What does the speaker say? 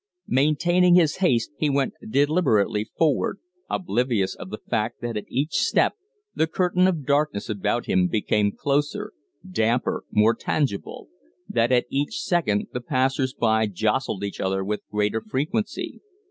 Maintaining his haste, he went deliberately forward, oblivious of the fact that at each step the curtain of darkness about him became closer, damper, more tangible; that at each second the passers by jostled each other with greater frequency.